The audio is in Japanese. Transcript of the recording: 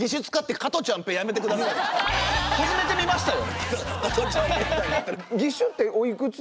初めて見ましたよ。